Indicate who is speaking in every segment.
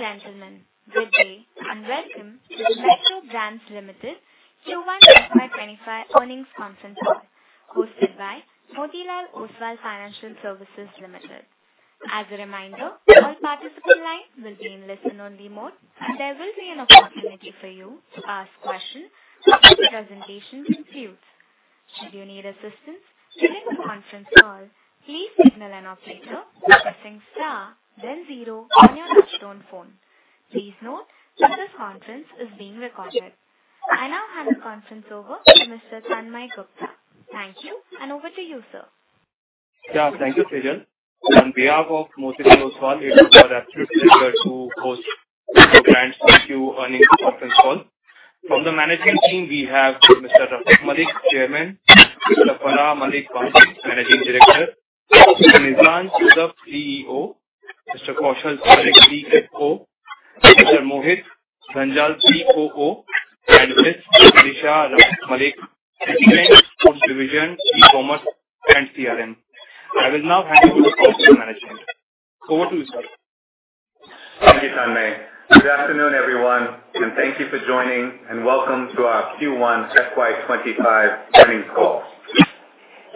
Speaker 1: Ladies and gentlemen, good day and welcome to the Metro Brands Limited Q1 FY 2025 earnings conference call hosted by Motilal Oswal Financial Services Limited. As a reminder, all participant lines will be in listen-only mode, and there will be an opportunity for you to ask questions after the presentation concludes. Should you need assistance during the conference call, please signal an operator by pressing star then zero on your touch-tone phone. Please note that this conference is being recorded. I now hand the conference over to Mr. Tanmay Gupta. Thank you, and over to you, sir.
Speaker 2: Thank you, Sejal. On behalf of Motilal Oswal, it is our absolute pleasure to host Metro Brands' Q earnings conference call. From the management team, we have Mr. Rafique Malik, Chairman; Farah Malik Bhanji, Managing Director; Mr. Nissan Joseph, CEO; Mr. Kaushal Parekh, CFO; Mr. Mohit Dhanjal, COO; and Ms. Alisha Malik, Head-Ecomm, Sports Division, E-Commerce and CRM. I will now hand over to Farah Malik. Over to you, Farah.
Speaker 3: Thank you, Tanmay. Good afternoon, everyone, and thank you for joining, and welcome to our Q1 FY 2025 earnings call.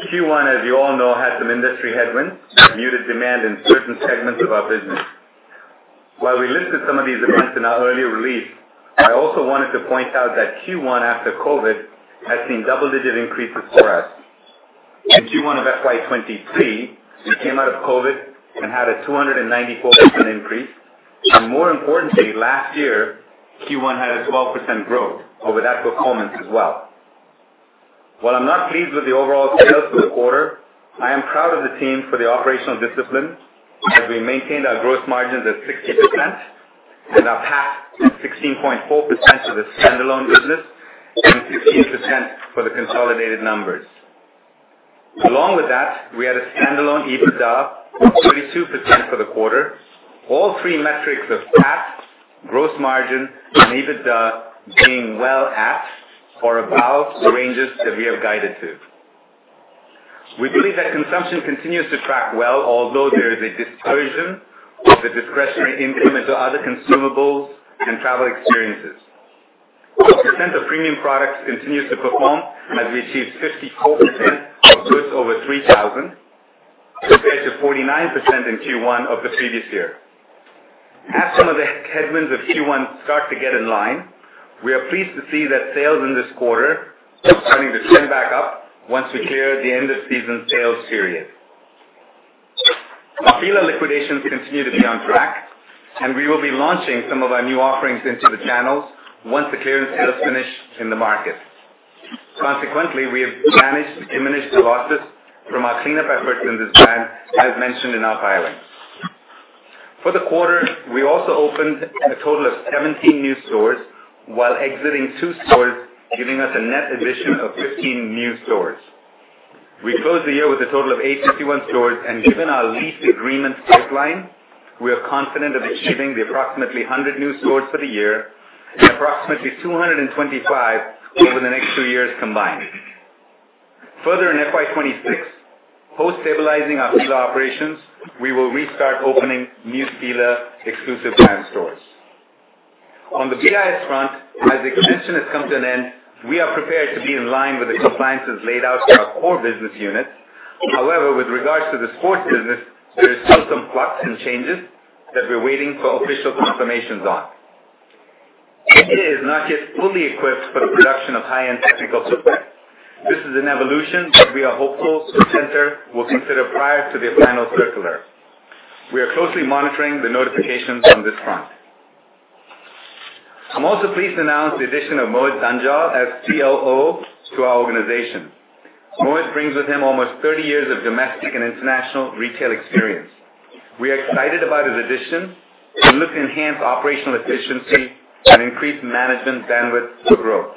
Speaker 3: Q1, as you all know, had some industry headwinds and muted demand in certain segments of our business. While we listed some of these events in our earlier release, I also wanted to point out that Q1 after COVID has seen double-digit increases for us. In Q1 of FY 2023, we came out of COVID and had a 294% increase, and more importantly, last year, Q1 had a 12% growth over that performance as well. While I'm not pleased with the overall sales for the quarter, I am proud of the team for the operational discipline as we maintained our gross margins at 60% and our PAT at 16.4% for the standalone business and 15% for the consolidated numbers. Along with that, we had a standalone EBITDA of 32% for the quarter. All three metrics of PAT, gross margin, and EBITDA being well at or above the ranges that we have guided to. We believe that consumption continues to track well although there is a dispersion of the discretionary income into other consumables and travel experiences. The percent of premium products continues to perform as we achieved 54% of goods over 3,000 compared to 49% in Q1 of the previous year. As some of the headwinds of Q1 start to get in line, we are pleased to see that sales in this quarter are starting to trend back up once we clear the End of Season Sale period. Our FILA liquidations continue to be on track, and we will be launching some of our new offerings into the channels once the clearance sales finish in the market. We have managed to diminish the losses from our cleanup efforts in this brand as mentioned in our filings. For the quarter, we also opened a total of 17 new stores while exiting two stores, giving us a net addition of 15 new stores. We closed the year with a total of 851 stores, and given our lease agreement pipeline, we are confident of achieving approximately 100 new stores for the year and approximately 225 over the next two years combined. Further, in FY 2026, post-stabilizing our Fila operations, we will restart opening new Fila exclusive brand stores. On the BIS front, as the extension has come to an end, we are prepared to be in line with the compliances laid out for our core business units. With regards to the sports business, there is still some flux and changes that we're waiting for official confirmations on. BIS is not yet fully equipped for the production of high-end technical footwear. This is an evolution that we are hopeful to enter, we'll consider prior to their final circular. We are closely monitoring the notifications on this front. I'm also pleased to announce the addition of Mohit Dhanjal as COO to our organization. Mohit brings with him almost 30 years of domestic and international retail experience. We are excited about his addition and look to enhance operational efficiency and increase management bandwidth for growth.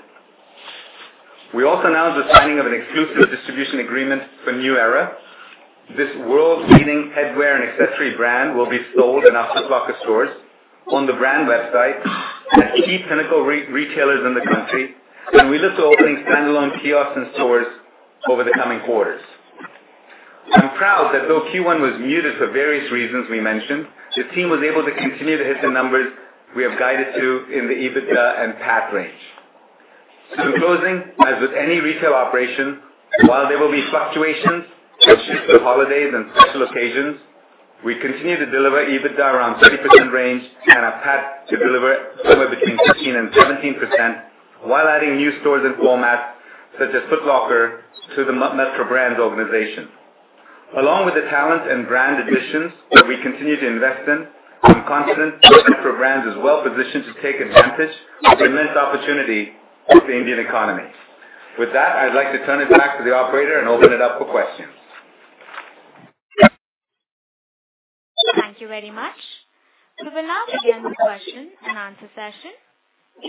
Speaker 3: We also announced the signing of an exclusive distribution agreement for New Era. This world-leading headwear and accessory brand will be sold in our Foot Locker stores, on the brand website, and at key pinnacle retailers in the country. We look to opening standalone kiosks and stores over the coming quarters. I'm proud that though Q1 was muted for various reasons we mentioned, the team was able to continue to hit the numbers we have guided to in the EBITDA and PAT range. In closing, as with any retail operation, while there will be fluctuations due to holidays and special occasions, we continue to deliver EBITDA around 30% range and a PAT to deliver somewhere between 15% and 17% while adding new stores and formats such as Foot Locker to the Metro Brands organization. Along with the talent and brand additions that we continue to invest in, I'm confident that Metro Brands is well-positioned to take advantage of the immense opportunity of the Indian economy. With that, I'd like to turn it back to the operator and open it up for questions.
Speaker 1: Thank you very much. We will now begin the question-and-answer session.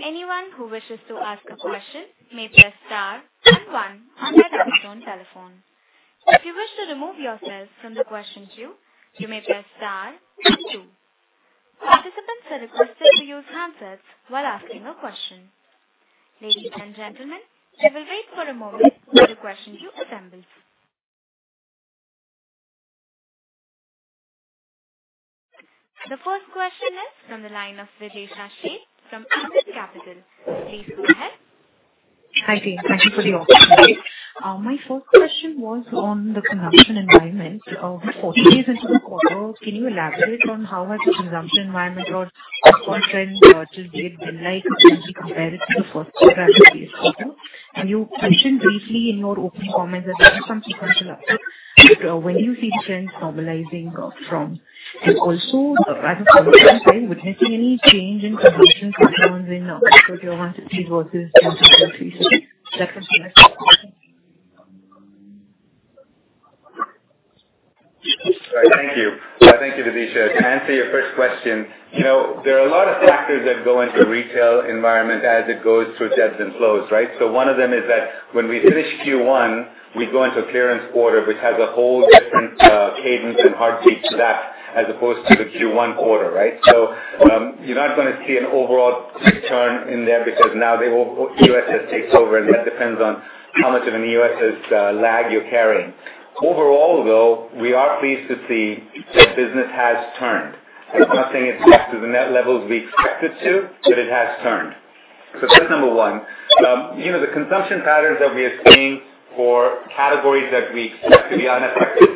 Speaker 1: Anyone who wishes to ask a question may press star then one on their touch-tone telephone. If you wish to remove yourself from the question queue, you may press star then two. Participants are requested to use handsets while asking a question. Ladies and gentlemen, we will wait for a moment while the question queue assembles. The first question is from the line of Viren Ashish from Ambit Capital. Please go ahead.
Speaker 4: Hi, team. Thank you for the opportunity. My first question was on the consumption environment. 40 days into the quarter, can you elaborate on how has the consumption environment or customer trends, purchase date been like when compared to the first quarter of this fiscal? You mentioned briefly in your opening comments that there are some sequential ups. When do you see trends normalizing from? Also, as a consumption side, would you see any change in consumption patterns in Footwear 160 versus Footlocker 360? That's my first question.
Speaker 3: Thank you. Thank you, Viren. To answer your first question, there are a lot of factors that go into a retail environment as it goes through ebbs and flows. One of them is that when we finish Q1, we go into a clearance quarter, which has a whole different cadence and heartbeat to that, as opposed to the Q1 quarter, right? You're not going to see an overall quick turn in there because now the EOSS takes over, and that depends on how much of an EOSS lag you're carrying. Overall, though, we are pleased to see that business has turned. It's not saying it's back to the net levels we expect it to, but it has turned. That's number one. The consumption patterns that we are seeing for categories that we expect to be unaffected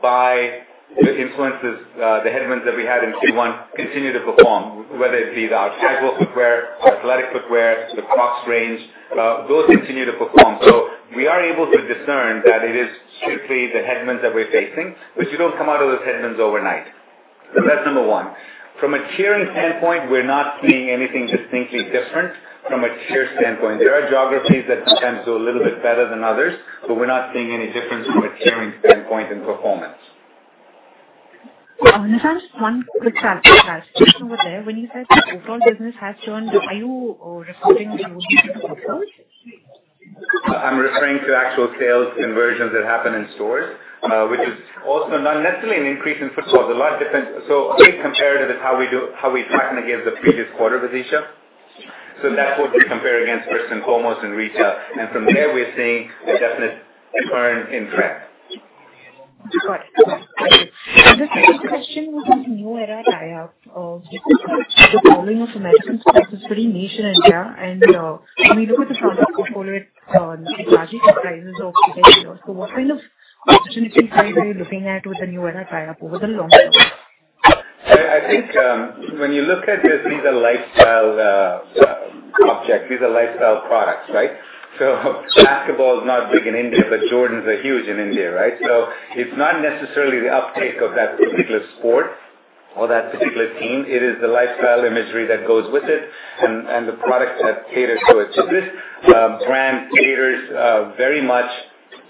Speaker 3: by the influences, the headwinds that we had in Q1 continue to perform, whether it be the casual footwear, athletic footwear, the Crocs range, those continue to perform. We are able to discern that it is strictly the headwinds that we're facing, but you don't come out of those headwinds overnight. That's number one. From a clearing standpoint, we're not seeing anything distinctly different from a sheer standpoint. There are geographies that sometimes do a little bit better than others, but we're not seeing any difference from a clearing standpoint in performance.
Speaker 4: Nissan, just one quick clarification over there. When you said the overall business has turned, are you referring to footfalls?
Speaker 3: I'm referring to actual sales conversions that happen in stores, which is also not necessarily an increase in footfalls. Again, comparative is how we track them against the previous quarter, Viren. That's what we compare against first and foremost in retail. From there, we're seeing a definite turn in trend.
Speaker 4: Got it. Thank you. The second question was on New Era tie-up. Just because the following of American sports is pretty niche in India, and when you look at the size of portfolio at Nike, large enterprises or Adidas. What kind of opportunity size are you looking at with the New Era tie-up over the long term?
Speaker 3: I think when you look at this, these are lifestyle objects. These are lifestyle products, right? Basketball is not big in India, but Jordans are huge in India. It's not necessarily the uptake of that particular sport or that particular team. It is the lifestyle imagery that goes with it and the product that caters to it. This brand caters very much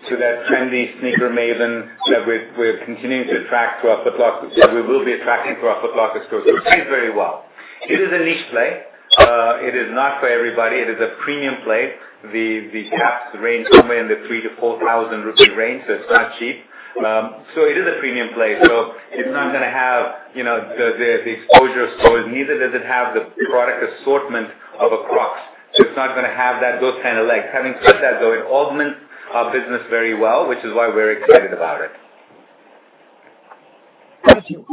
Speaker 3: to that trendy sneaker maven that we're continuing to attract to our Foot Locker. We will be attracting to our Foot Locker stores. It fits very well. It is a niche play. It is not for everybody. It is a premium play. The caps range somewhere in the 3,000-4,000 rupee range, it's not cheap. It is a premium play. It's not going to have the exposure of stores, neither does it have the product assortment of a Crocs. It's not going to have that ghost kind of leg. Having said that, though, it augments our business very well, which is why we're excited about it.
Speaker 4: Thank you.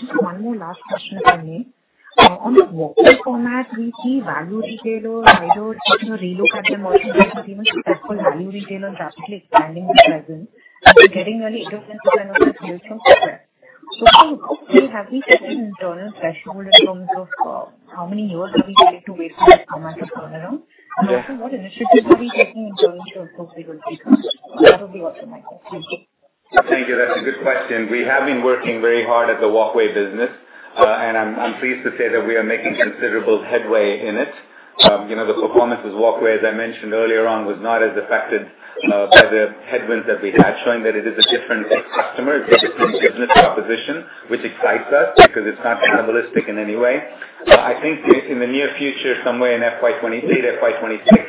Speaker 4: Just one more last question from me. On the Walkway format, we see value retailers like Relook at the mall, successful value retailers rapidly expanding their presence, getting early entrances and other retail software. How have we set an internal threshold in terms of how many years are we ready to wait for that format of turnaround?
Speaker 3: Yeah.
Speaker 4: Also, what initiatives are we taking internally to improve the good business? That would be also my question.
Speaker 3: Thank you. That's a good question. We have been working very hard at the Walkway business, and I'm pleased to say that we are making considerable headway in it. The performance of Walkway, as I mentioned earlier on, was not as affected by the headwinds that we had, showing that it is a different customer, it's a different business proposition, which excites us because it's not cannibalistic in any way. In the near future, somewhere in late FY 2025,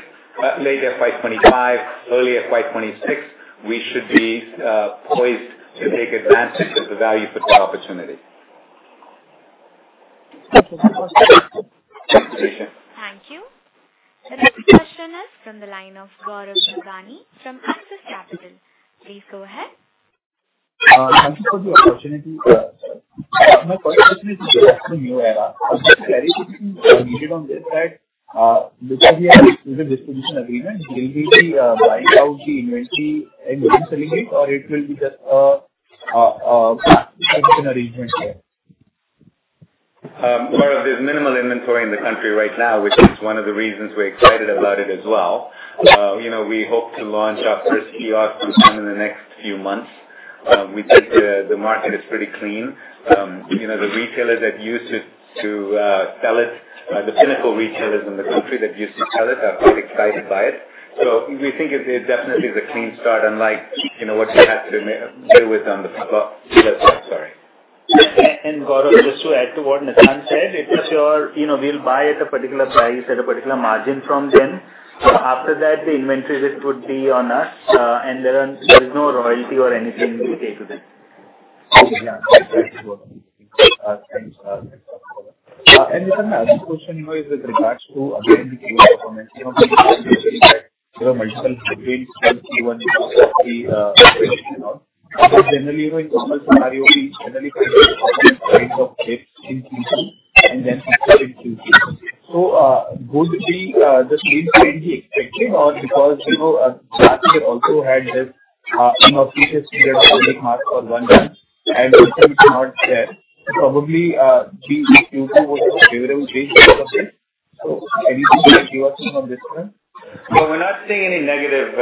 Speaker 3: early FY 2026, we should be poised to take advantage of the value footwear opportunity.
Speaker 4: Thank you so much.
Speaker 3: Thank you, Viren.
Speaker 1: Thank you. The next question is from the line of Gaurav Bhalotia from Axis Capital. Please go ahead.
Speaker 5: Thank you for the opportunity. My first question is with respect to New Era. Just a clarification needed on this that because we have an exclusive distribution agreement, will we be buying out the inventory and then selling it, or it will be just a different arrangement here?
Speaker 3: Gaurav, there's minimal inventory in the country right now, which is one of the reasons we're excited about it as well. We hope to launch our first kiosk sometime in the next few months. We think the market is pretty clean. The retailers that used to sell it, the pinnacle retailers in the country that used to sell it are quite excited by it. We think it definitely is a clean start, unlike what we had to deal with on the Foot Locker. Sorry.
Speaker 6: Gaurav, just to add to what Nisan said, we'll buy at a particular price, at a particular margin from them. After that, the inventory risk would be on us, and there is no royalty or anything we pay to them.
Speaker 5: Yeah. Nisan, my other question is with regards to again, Q1 performance. There are multiple between Q1 and Q3 and all. Generally, in normal scenario, we generally find certain kinds of shifts in Q2 and then fix it in Q3. Would the shifts be as we expected or because last year also had this impetus to get public mark for one time, and this time it's not there. Probably Q2 would have a different change because of it. Anything you can share with us on this front?
Speaker 3: No, we're not seeing any negative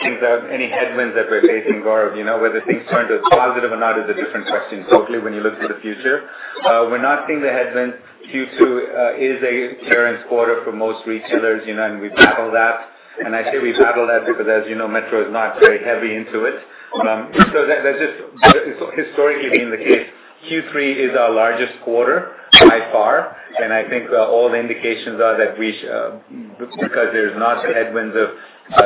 Speaker 3: things or any headwinds that we're facing, Gaurav. Whether things turn to positive or not is a different question totally when you look to the future. We're not seeing the headwinds. Q2 is a clearance quarter for most retailers, and we battle that. I say we battle that because, as you know, Metro is not very heavy into it. That's just historically been the case. Q3 is our largest quarter by far, and I think all the indications are that because there's not the headwinds of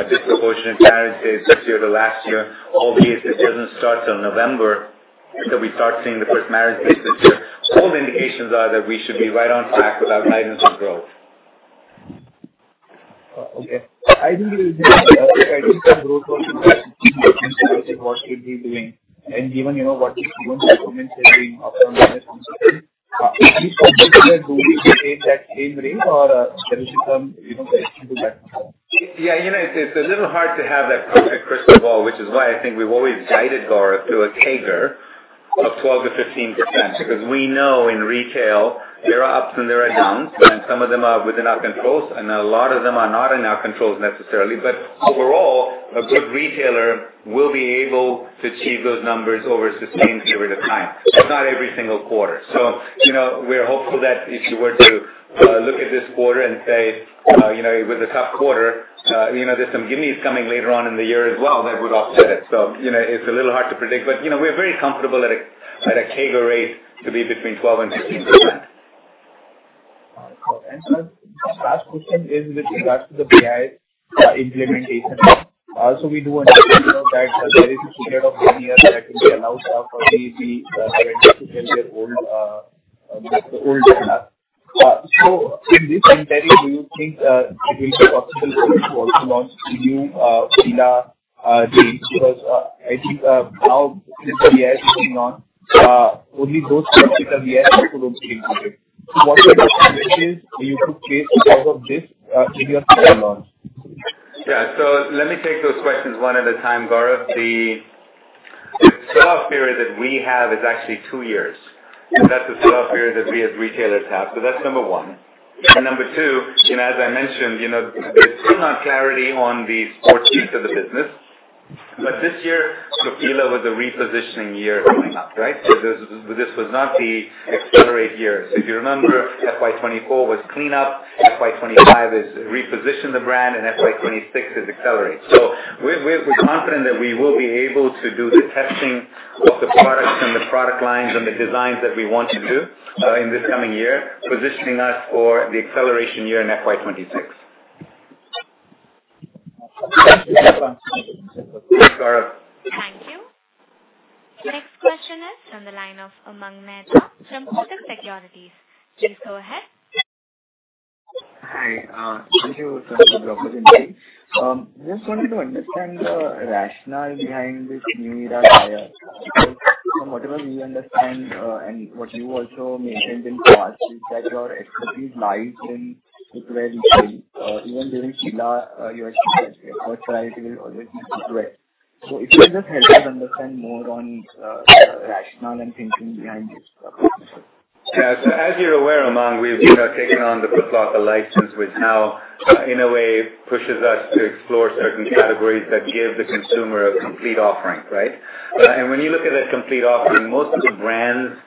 Speaker 3: disproportionate marriage dates this year to last year. All the assistance doesn't start till November, until we start seeing the first marriage dates this year. All the indications are that we should be right on track with our guidance and growth.
Speaker 5: Okay. I think what should be doing, given what the consumer sentiments are being up on this quarter. Do we see a check in rate or there should come even correction to that?
Speaker 3: Yeah. It's a little hard to have that perfect crystal ball, which is why I think we've always guided, Gaurav, to a CAGR of 12%-15%, we know in retail there are ups and there are downs, some of them are within our controls, a lot of them are not in our controls necessarily. Overall, a good retailer will be able to achieve those numbers over a sustained period of time, but not every single quarter. We're hopeful that if you were to look at this quarter and say, it was a tough quarter, there's some gimmies coming later on in the year as well that would offset it. It's a little hard to predict, but we're very comfortable at a CAGR rate to be between 12% and 15%.
Speaker 5: Sir, this last question is with regards to the BIS implementation. Also, we do understand that there is a period of one year that will be allowed for PGB vendors to sell their old data. In this itinerary, do you think it will be possible for you to also launch new Fila jeans? I think now since BIS is pushing on, only those who have picked up BIS also will be in profit. What's your thought process? Do you foresee because of this period of time launch?
Speaker 3: Yeah. Let me take those questions one at a time, Gaurav. The sell-off period that we have is actually two years. That's the sell-off period that we as retailers have. That's number one. Number two, as I mentioned, there's still not clarity on the sports piece of the business. This year, Fila was a repositioning year coming up, right? This was not the accelerate year. If you remember, FY 2024 was clean up, FY 2025 is reposition the brand, FY 2026 is accelerate. We're confident that we will be able to do the testing of the products and the product lines and the designs that we want to do in this coming year, positioning us for the acceleration year in FY 2026. Thanks, Gaurav.
Speaker 1: Thank you. Next question is from the line of Umang Mehta from Kotak Securities. Please go ahead.
Speaker 7: Hi. Thank you, sir, for the opportunity. Just wanted to understand the rationale behind this New Era buyer, because from whatever we understand, and what you also maintained in the past is that your expertise lies in footwear retail. Even during FILA, your first priority will always be footwear. If you could just help us understand more on rationale and thinking behind this acquisition.
Speaker 3: As you're aware, Umang, we have taken on the Footlocker license, which now in a way pushes us to explore certain categories that give the consumer a complete offering, right? When you look at a complete offering, most of the brands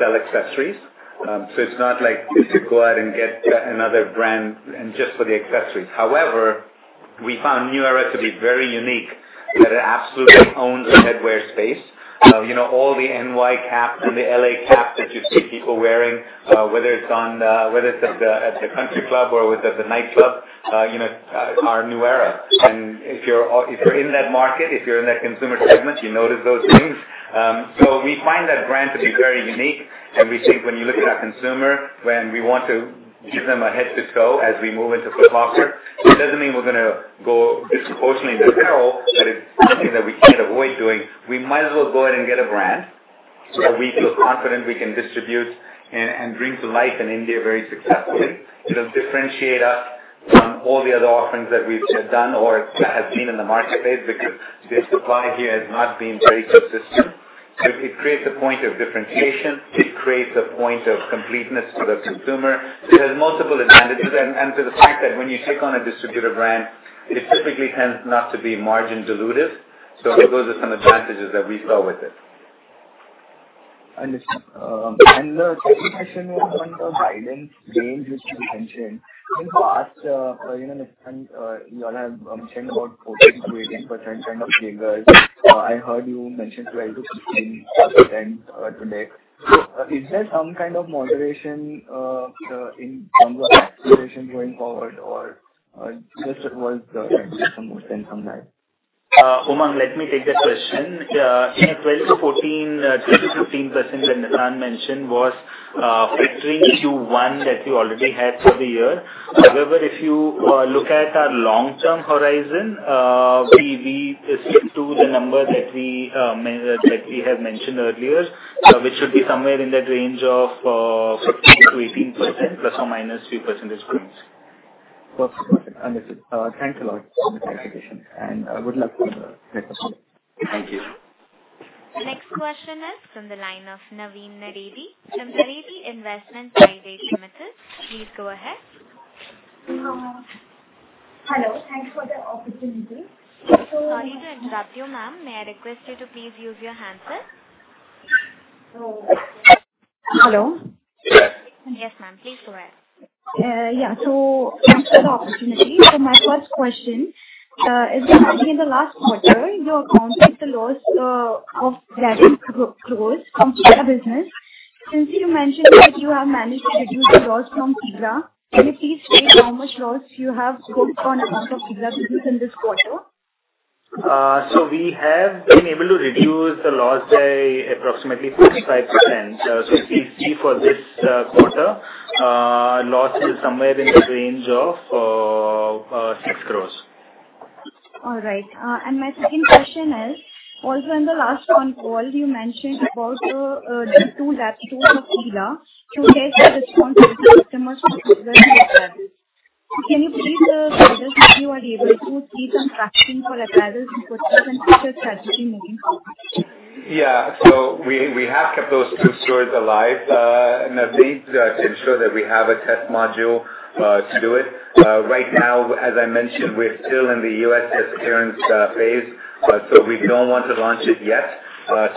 Speaker 3: sell accessories. It's not like you should go out and get another brand and just for the accessories. However, we found New Era to be very unique, that it absolutely owns the headwear space. All the N.Y. caps and the L.A. caps that you see people wearing, whether it's at the country club or whether it's at the nightclub are New Era. If you're in that market, if you're in that consumer segment, you notice those things. We find that brand to be very unique, and we think when you look at our consumer, when we want to give them a head to toe as we move into Footlocker, it doesn't mean we're going to go disproportionately into apparel, it's something that we can't avoid doing. We might as well go ahead and get a brand that we feel confident we can distribute and bring to life in India very successfully. It'll differentiate us from all the other offerings that we've done or that have been in the marketplace because the supply here has not been very consistent. It creates a point of differentiation. It creates a point of completeness to the consumer. It has multiple advantages. To the fact that when you take on a distributor brand, it typically tends not to be margin dilutive. Those are some advantages that we saw with it.
Speaker 7: Understand. The second question was on the guidance range which you mentioned. In the past, Nissan, you all have mentioned about 14%-18% kind of CAGRs. I heard you mention 12%-15% today. Is there some kind of moderation in terms of acceleration going forward or just it was the guidance you wanted to send some time?
Speaker 8: Umang, let me take that question. The 12%-14%, 10%-15% that Nissan mentioned was factoring Q1 that we already had for the year. However, if you look at our long-term horizon, we stick to the number that we have mentioned earlier, which should be somewhere in that range of 15%-18%, plus or minus 3 percentage points.
Speaker 7: Perfect. Understood. Thanks a lot for the clarification, good luck with the rest.
Speaker 8: Thank you.
Speaker 1: Next question is from the line of Navneet Nadidi from Naredi Investment Pvt Ltd. Please go ahead.
Speaker 9: Hello. Thanks for the opportunity.
Speaker 1: Sorry to interrupt you, ma'am. May I request you to please use your handset?
Speaker 9: Oh. Hello.
Speaker 1: Yes, ma'am. Please go ahead.
Speaker 9: Yeah. Thanks for the opportunity. My first question, is regarding in the last quarter, your account took the loss of that crore from Fila business. Since you mentioned that you have managed to reduce the loss from Fila, can you please state how much loss you have booked on account of Fila business in this quarter?
Speaker 8: We have been able to reduce the loss by approximately 55%. If you see for this quarter, loss is somewhere in the range of six crores.
Speaker 9: All right. My second question is, also in the last one call, you mentioned about the two laboratories of Segra to test the response of the customers for Segra apparels. Can you please guide us if you are able to keep on tracking for apparels in footwear and future strategy moving forward?
Speaker 3: Yeah. We have kept those two stores alive, Navneet, to ensure that we have a test module to do it. Right now, as I mentioned, we're still in the U.S. test clearance phase, we don't want to launch it yet,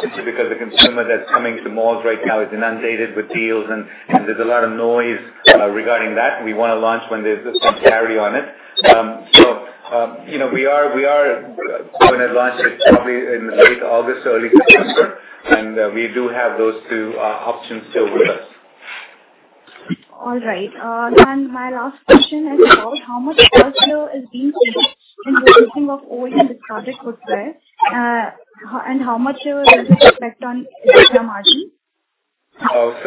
Speaker 3: simply because the consumer that's coming to malls right now is inundated with deals and there's a lot of noise regarding that. We want to launch when there's some clarity on it. We are going to launch it probably in late August, early September, and we do have those two options still with us.
Speaker 9: All right. My last question is about how much cash flow is being spent in the making of OAN discarded footwear, and how much it will affect on EBITDA margin.
Speaker 3: Oh. Our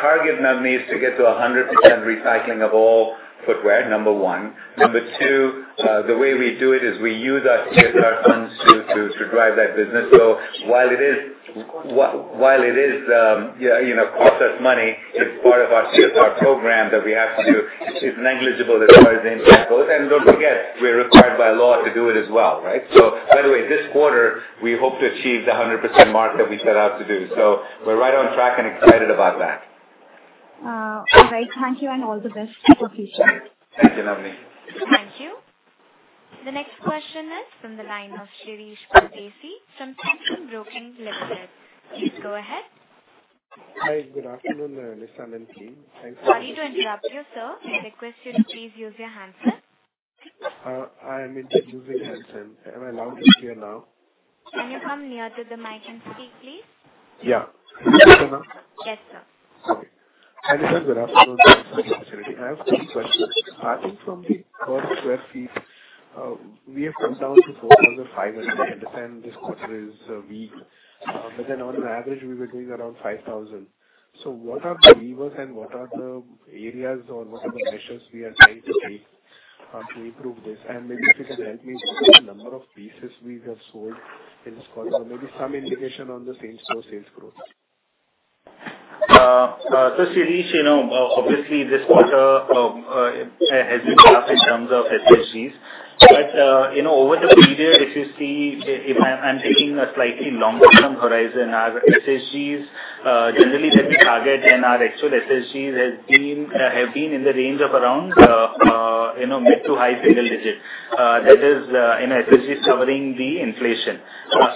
Speaker 3: target, Navneet, is to get to 100% recycling of all footwear, number one. Number two, the way we do it is we use our CSR funds to drive that business. While it is cost us money, it's part of our CSR program that we have to do. It's negligible as far as the impact goes, and don't forget, we're required by law to do it as well, right? By the way, this quarter, we hope to achieve the 100% mark that we set out to do. We're right on track and excited about that.
Speaker 9: All right. Thank you and all the best for future.
Speaker 3: Thank you, Navneet.
Speaker 1: Thank you. The next question is from the line of Shirish Patesi from Saxon Broking Limited. Please go ahead.
Speaker 10: Hi. Good afternoon, Nissan and team. Thanks for-
Speaker 1: Sorry to interrupt you, sir. May I request you to please use your handset?
Speaker 10: I am indeed using handset. Am I loud and clear now?
Speaker 1: Can you come near to the mic and speak, please?
Speaker 10: Yeah. Is this better now?
Speaker 1: Yes, sir.
Speaker 10: Okay. Hi, Nissan. Good afternoon. Thanks for the opportunity. I have three questions. Starting from the per square feet, we have come down to 4,500. I understand this quarter is weak. On an average, we were doing around 5,000. What are the levers and what are the areas or what are the measures we are trying to take to improve this? Maybe if you can help me with the number of pieces we have sold in this quarter, maybe some indication on the same-store sales growth.
Speaker 8: Shirish, obviously this quarter has been tough in terms of SSGs. Over the period, if you see, if I'm taking a slightly longer-term horizon, our SSGs, generally that we target and our actual SSGs have been in the range of around mid to high single digits. That is in SSGs covering the inflation.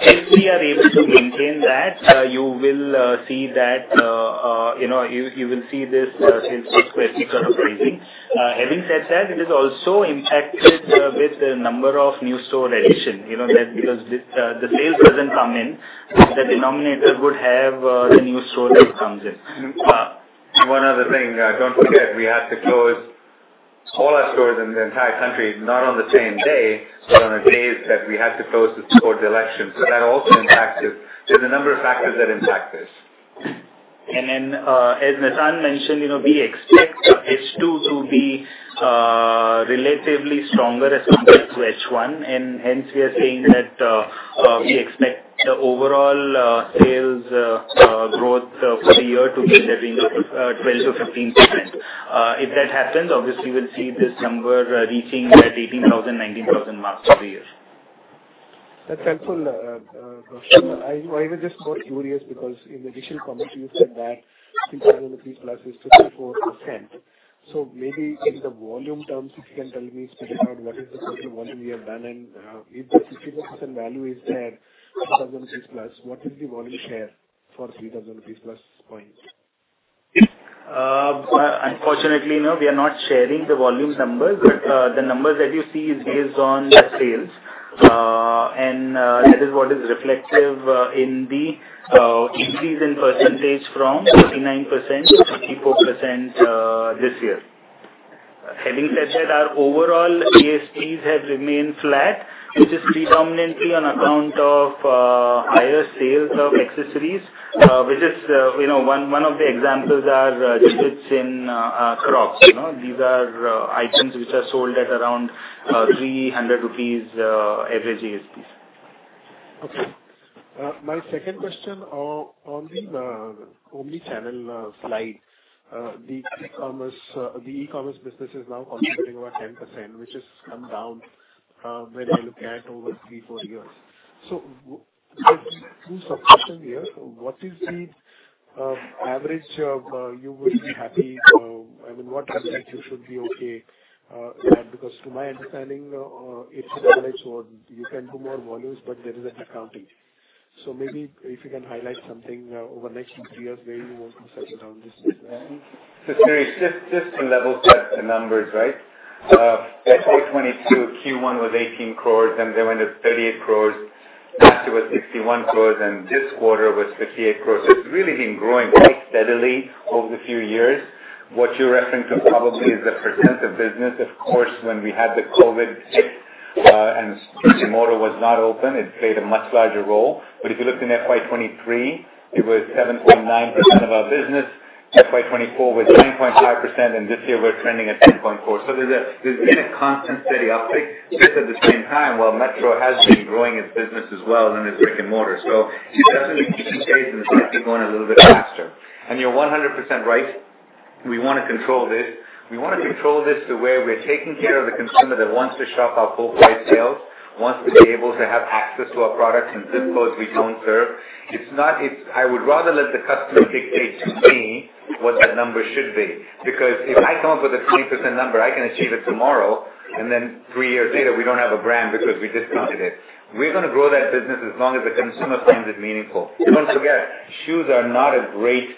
Speaker 8: If we are able to maintain that, you will see this same-store square feet are raising. Having said that, it is also impacted with the number of new store addition. The sales doesn't come in, the denominator would have the new store that comes in.
Speaker 3: One other thing, don't forget we have to close all our stores in the entire country, not on the same day, but on the days that we have to close it for the election. That also impacts it. There's a number of factors that impact this.
Speaker 8: As Nissan mentioned, we expect H2 to be relatively stronger as compared to H1, and hence we are saying that we expect the overall sales growth for the year to be in the range of 12%-15%. If that happens, obviously we will see this number reaching that 18,000, 19,000 marks for the year.
Speaker 10: That's helpful, Prashant. I was just curious because in the initial comment you said that INR 3,000 plus is 54%. Maybe in the volume terms, if you can tell me, spread it out, what is the total volume we have done, and if the 50% value is there, 3,000 plus, what is the volume share for 3,000 plus points?
Speaker 8: Unfortunately, no. We are not sharing the volume numbers, but the numbers that you see is based on the sales. That is what is reflective in the increase in percentage from 39% to 54% this year. Having said that, our overall ASPs have remained flat, which is predominantly on account of higher sales of accessories which is one of the examples are Jibbitz in Crocs. These are items which are sold at around 300 rupees average ASPs.
Speaker 10: Okay. My second question on the omnichannel slide, the e-commerce business is now contributing about 10%, which has come down when I look at over three, four years. Two sub-questions here. What is the average you would be happy, I mean, what average you should be okay? Because to my understanding, if you can do more volumes, but there is an accounting. Maybe if you can highlight something over next few years where you want to settle down this business.
Speaker 3: Shirish, just to level set the numbers, right? FY 2022 Q1 was 18 crore, then they went up 38 crore. After was 61 crore and this quarter was 58 crore. It's really been growing quite steadily over the few years. What you're referring to probably is the % of business, of course, when we had the COVID hit, and brick-and-mortar was not open, it played a much larger role. If you looked in FY 2023, it was 7.9% of our business. FY 2024 was 9.5%, and this year we're trending at 10.4%. There's been a constant steady uptick, just at the same time, while Metro has been growing its business as well in its brick-and-mortar. It's definitely keeping pace, and it's actually going a little bit faster. You're 100% right. We want to control this. We want to control this to where we're taking care of the consumer that wants to shop our full-price sales, wants to be able to have access to our product in ZIP codes we don't serve. I would rather let the customer dictate to me what that number should be, because if I come up with a 20% number, I can achieve it tomorrow, and then three years later, we don't have a brand because we discounted it. We're going to grow that business as long as the consumer finds it meaningful. Don't forget, shoes are not a great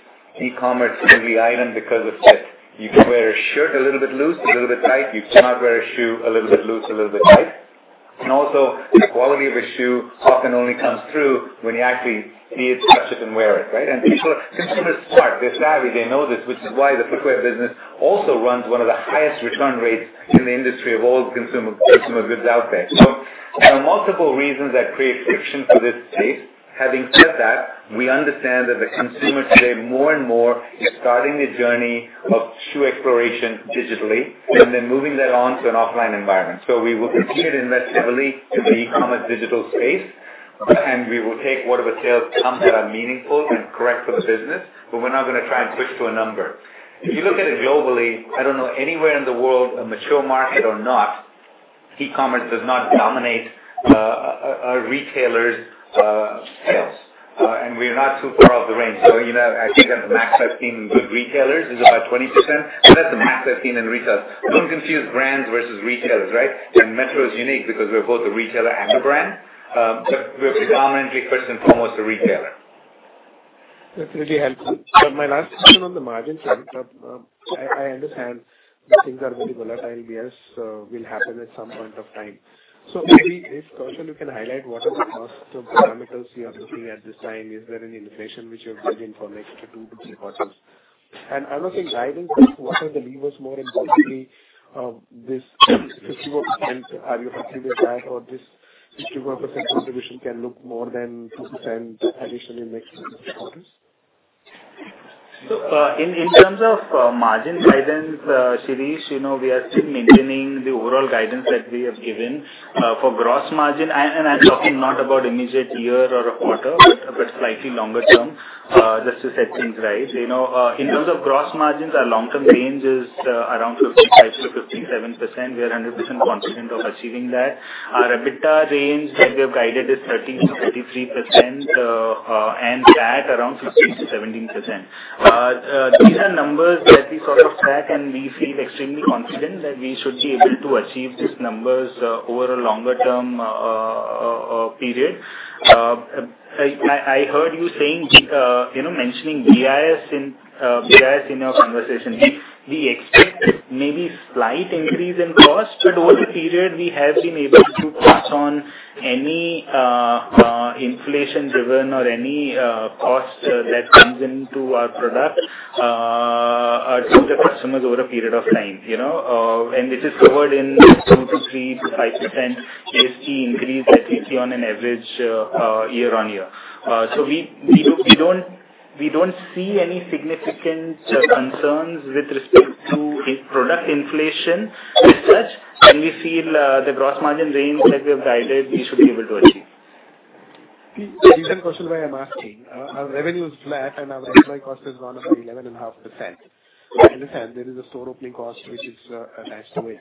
Speaker 3: E-Commerce friendly item because of fit. You can wear a shirt a little bit loose, a little bit tight. You cannot wear a shoe a little bit loose, a little bit tight. Also, the quality of a shoe often only comes through when you actually see it, touch it, and wear it, right? Consumers are smart, they're savvy, they know this, which is why the footwear business also runs one of the highest return rates in the industry of all consumer goods out there. There are multiple reasons that create friction to this space. Having said that, we understand that the consumer today, more and more, is starting the journey of shoe exploration digitally, and then moving that on to an offline environment. We will continue to invest heavily in the E-Commerce digital space, and we will take whatever sales come that are meaningful and correct for the business, but we're not going to try and push to a number. If you look at it globally, I don't know anywhere in the world, a mature market or not, E-Commerce does not dominate a retailer's sales. We are not too far off the range. I think that the max I've seen with retailers is about 20%, but that's the max I've seen in retailers. Don't confuse brands versus retailers, right? Metro is unique because we're both a retailer and a brand. We are predominantly, first and foremost, a retailer.
Speaker 10: That's really helpful. My last question on the margin side. I understand that things are very volatile, yes, will happen at some point of time. Maybe, if Kaushal, you can highlight what are the cost parameters you are looking at this time? Is there any inflation which you have built in for next 2 to 3 quarters? I am also guiding, what are the levers more importantly, this 50% are you happy with that or this 51% contribution can look more than 2% addition in next quarters?
Speaker 8: In terms of margin guidance, Shirish, we are still maintaining the overall guidance that we have given. For gross margin, I am talking not about immediate year or a quarter, but slightly longer term, just to set things right. In terms of gross margins, our long-term range is around 55%-57%. We are 100% confident of achieving that. Our EBITDA range that we have guided is 13%-33%. PAT around 16%-17%. These are numbers that we sort of track. We feel extremely confident that we should be able to achieve these numbers over a longer-term period. I heard you mentioning BIS in your conversation. We expect maybe slight increase in cost. Over the period, we have been able to pass on any inflation-driven or any cost that comes into our product to the customers over a period of time. This is covered in 2%-3% to 5% ASP increase that we see on an average year-on-year. We do not see any significant concerns with respect to product inflation as such. We feel the gross margin range that we have guided, we should be able to achieve.
Speaker 10: The reason, Kaushal, why I am asking, our revenue is flat. Our employee cost has gone up by 11.5%. I understand there is a store opening cost which is attached to it.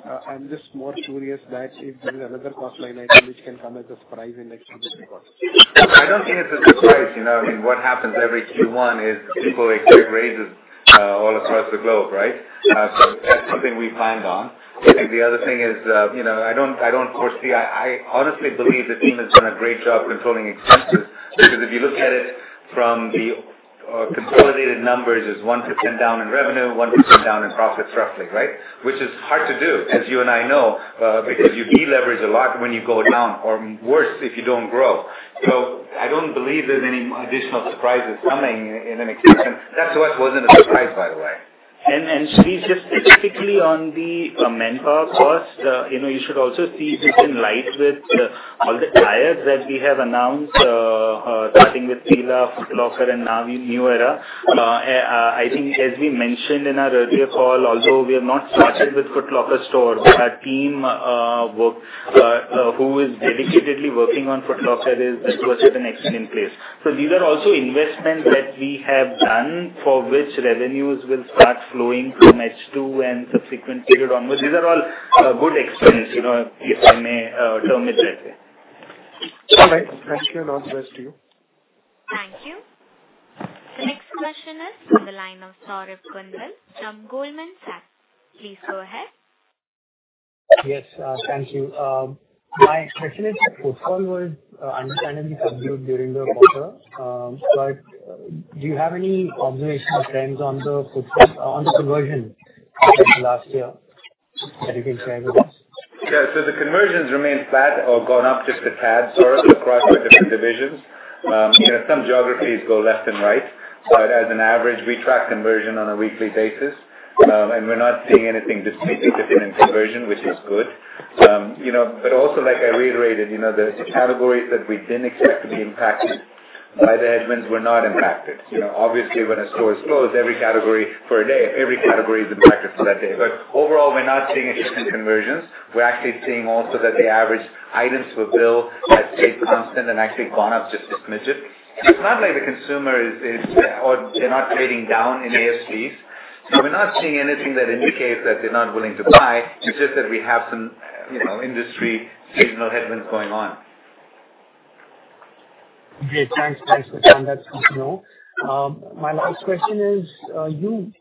Speaker 10: I am just more curious that if there is another cost line item which can come as a surprise in next few quarters.
Speaker 3: I don't think it's a surprise. What happens every Q1 is people expect raises all across the globe, right? That's something we planned on. I think the other thing is, I honestly believe the team has done a great job controlling expenses. Because if you look at it from the consolidated numbers, it's 1% down in revenue, 1% down in profits roughly, right? Which is hard to do, as you and I know, because you de-leverage a lot when you go down, or worse, if you don't grow. I don't believe there's any additional surprises coming in an exception. That to us wasn't a surprise, by the way.
Speaker 8: Shirish, just specifically on the manpower cost, you should also see this in light with all the ties that we have announced, starting with FILA, Foot Locker and now New Era. I think as we mentioned in our earlier call also, we have not started with Foot Locker store. Our team who is dedicatedly working on Foot Locker is virtually in an excellent place. These are also investments that we have done for which revenues will start flowing from S2 and subsequent period onwards. These are all good expenses, if I may term it that way.
Speaker 3: All right. Thank you. Onwards to you.
Speaker 1: Thank you. The next question is from the line of Saurabh Kundan from Goldman Sachs. Please go ahead.
Speaker 11: Yes. Thank you. My question is that footfall was understandably subdued during the quarter. Do you have any observational trends on the conversion from last year that you can share with us?
Speaker 3: Yeah. The conversions remained flat or gone up just a tad, Saurabh, across the different divisions. Some geographies go left and right, but as an average, we track conversion on a weekly basis. We're not seeing anything distinctly different in conversion, which is good. Also, like I reiterated, the categories that we didn't expect to be impacted by the headwinds were not impacted. Obviously, when a store is closed every category for a day, every category is impacted for that day. Overall, we're not seeing a shift in conversions. We're actually seeing also that the average items per bill has stayed constant and actually gone up just a smidgeon. It's not like the consumer is, or they're not trading down in ASPs. We're not seeing anything that indicates that they're not willing to buy. It's just that we have some industry seasonal headwinds going on.
Speaker 11: Great. Thanks for that. That's good to know. My last question is, you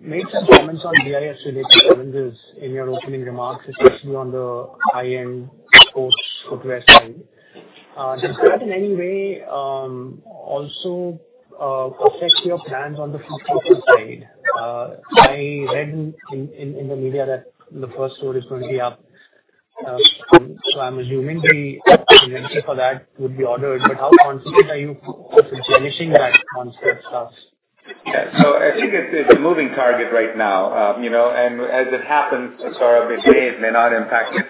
Speaker 11: made some comments on BIS-related challenges in your opening remarks, especially on the high-end sports footwear side. Does that in any way, also affect your plans on the Foot Locker side? I read in the media that the first store is going to be up, so I'm assuming the inventory for that would be ordered. How confident are you of genishing that concept class?
Speaker 3: Yeah. I think it's a moving target right now. As it happens, Saurabh, it may, it may not impact it.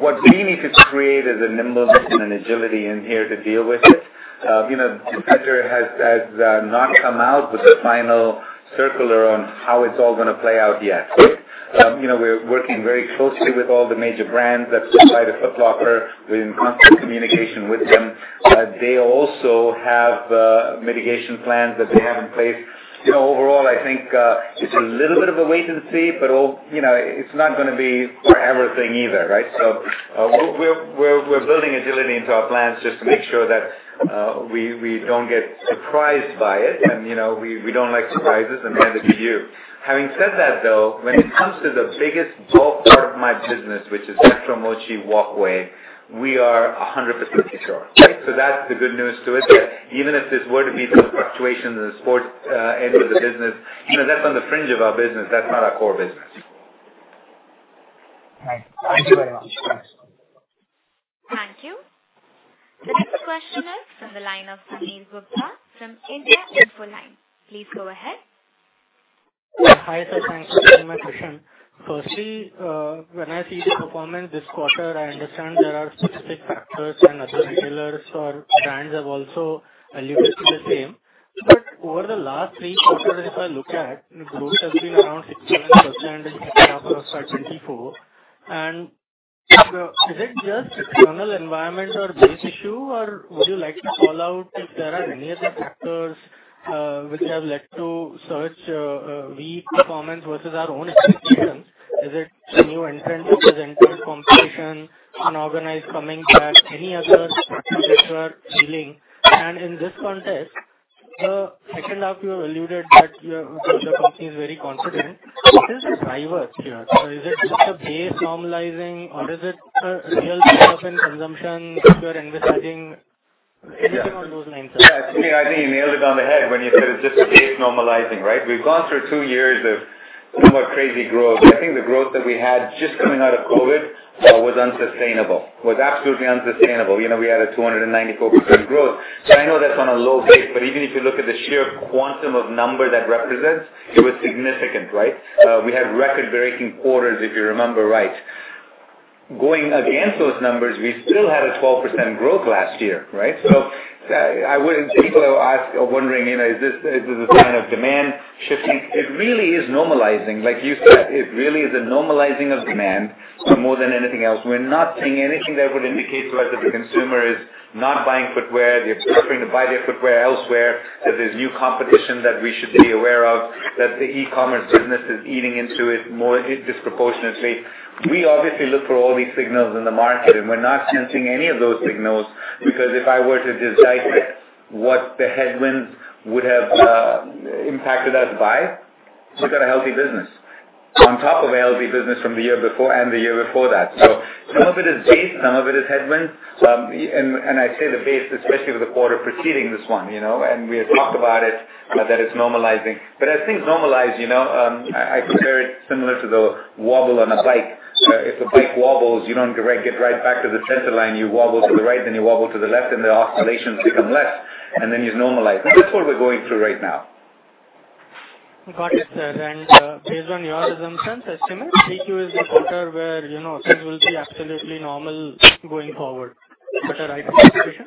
Speaker 3: What we need to create is a nimbleness and an agility in here to deal with it. The Treasury has not come out with a final circular on how it's all going to play out yet. We're working very closely with all the major brands that supply to Foot Locker. We're in constant communication with them. They also have mitigation plans that they have in place. Overall, I think, it's a little bit of a wait and see, it's not going to be forever thing either, right? We're building agility into our plans just to make sure that we don't get surprised by it. We don't like surprises, and neither do you. Having said that, though, when it comes to the biggest bulk part of my business, which is Metro Mochi Walkway, we are 100% sure, right? That's the good news to it, that even if this were to be some fluctuation in the sports end of the business, that's on the fringe of our business. That's not our core business.
Speaker 11: Right. Thank you very much.
Speaker 1: Thank you. The next question is from the line of Sunil Gupta from India Infoline. Please go ahead.
Speaker 12: Hi, sir. Thanks for taking my question. Firstly, when I see the performance this quarter, I understand there are specific factors and other retailers or brands have also alluded to the same. Over the last three quarters, if I look at, growth has been around 69% in second half of our FY 2024. Is it just external environment or base issue, or would you like to call out if there are any other factors which have led to such weak performance versus our own expectations? Is it some new entrants which has entered competition, an organized coming back, any other factors which you are feeling? In this context, the second half you alluded that your company is very confident. What is the driver here? Is it just a base normalizing or is it a real pickup in consumption which you are investigating? Anything on those lines sir.
Speaker 3: Yeah. I think you nailed it on the head when you said it's just base normalizing, right? We've gone through 2 years of somewhat crazy growth. I think the growth that we had just coming out of COVID was unsustainable. Was absolutely unsustainable. We had a 294% growth. I know that's on a low base, but even if you look at the sheer quantum of number that represents, it was significant, right? We had record-breaking quarters, if you remember right. Going against those numbers, we still had a 12% growth last year, right? People are wondering, is this a sign of demand shifting? It really is normalizing, like you said, it really is a normalizing of demand more than anything else. We're not seeing anything that would indicate to us that the consumer is not buying footwear. They're choosing to buy their footwear elsewhere, that there's new competition that we should be aware of, that the e-commerce business is eating into it more disproportionately. We obviously look for all these signals in the market, we're not sensing any of those signals, because if I were to dissect what the headwinds would have impacted us by, we've got a healthy business. On top of LB business from the year before and the year before that. Some of it is base, some of it is headwinds. I say the base, especially with the quarter preceding this one. We have talked about it, that it's normalizing. As things normalize, I compare it similar to the wobble on a bike. If a bike wobbles, you don't get right back to the center line. You wobble to the right, then you wobble to the left, the oscillations become less, then you normalize. That's what we're going through right now.
Speaker 12: Got it, sir. Based on your assumptions, estimates, Q3 is the quarter where sales will be absolutely normal going forward. Is that a right interpretation?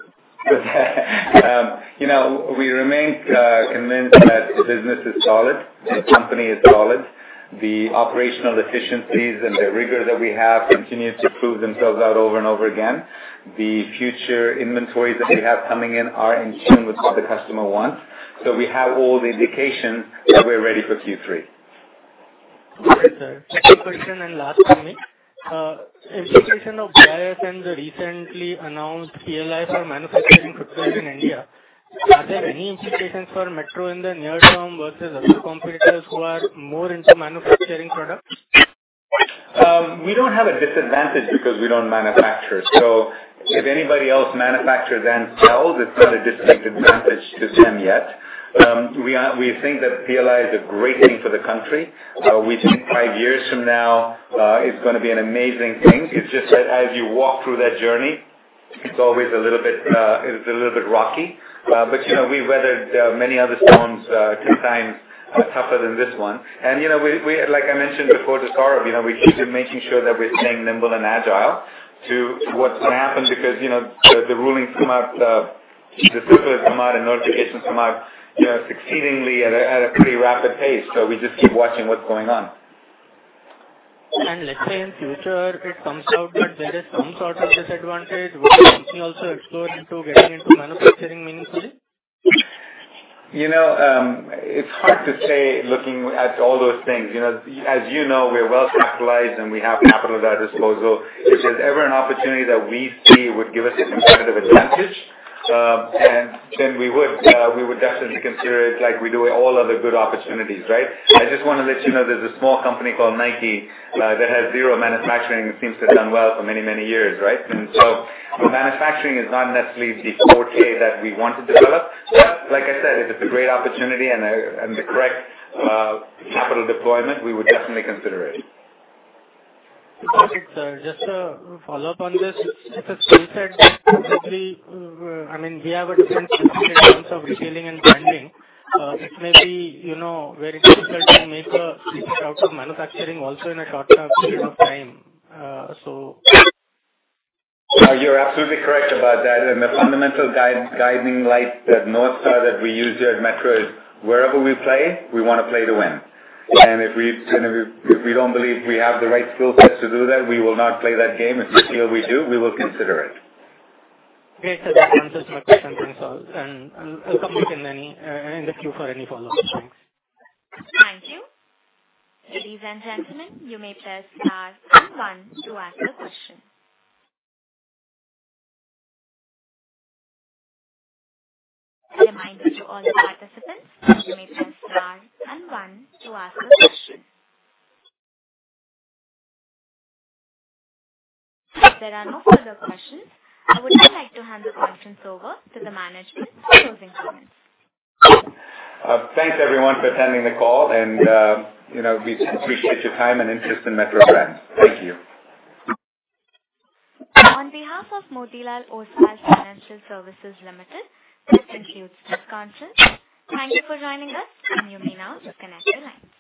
Speaker 3: We remain convinced that the business is solid, the company is solid. The operational efficiencies and the rigor that we have continue to prove themselves out over and over again. The future inventories that we have coming in are in tune with what the customer wants. We have all the indications that we're ready for Q3.
Speaker 12: Okay, sir. Second question, and last from me. Implementation of BIS and the recently announced PLI for manufacturing footwears in India. Are there any implications for Metro in the near term versus other competitors who are more into manufacturing products?
Speaker 3: We don't have a disadvantage because we don't manufacture. If anybody else manufactures and sells, it's not a distinct advantage to them yet. We think that PLI is a great thing for the country. We think five years from now, it's going to be an amazing thing. It's just that as you walk through that journey, it's always a little bit rocky. We've weathered many other storms, 10 times tougher than this one. Like I mentioned before to Saurabh, we keep making sure that we're staying nimble and agile to what's going to happen because the rulings come out, the circulars come out, and notifications come out succeedingly at a pretty rapid pace. We just keep watching what's going on.
Speaker 12: Let's say in future it comes out that there is some sort of disadvantage. Would the company also explore into getting into manufacturing meaningfully?
Speaker 3: It's hard to say, looking at all those things. As you know, we're well capitalized, and we have capital at our disposal. If there's ever an opportunity that we see would give us a competitive advantage, then we would definitely consider it like we do all other good opportunities, right? I just want to let you know, there's a small company called Nike that has zero manufacturing and seems to have done well for many, many years, right? Manufacturing is not necessarily the forte that we want to develop. Like I said, if it's a great opportunity and the correct capital deployment, we would definitely consider it.
Speaker 12: Got it, sir. Just to follow up on this. As you said, possibly, we have a different skill set in terms of retailing and branding. It may be very difficult to make a business out of manufacturing also in a short period of time.
Speaker 3: You're absolutely correct about that. The fundamental guiding light, the North Star that we use here at Metro is wherever we play, we want to play to win. If we don't believe we have the right skill sets to do that, we will not play that game. If we feel we do, we will consider it.
Speaker 12: Great, sir. That answers my question. Thanks a lot. I'll come back in the queue for any follow-ups. Thanks.
Speaker 1: Thank you. Ladies and gentlemen, you may press star and one to ask a question. A reminder to all participants, you may press star and one to ask a question. If there are no further questions, I would now like to hand the conference over to the management for closing comments.
Speaker 3: Thanks, everyone, for attending the call, and we appreciate your time and interest in Metro Brands. Thank you.
Speaker 1: On behalf of Motilal Oswal Financial Services Limited, this concludes this conference. Thank you for joining us, and you may now disconnect your lines.